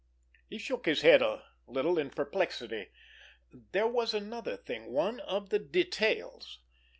He shook his head a little in perplexity. There was another thing—one of the little details.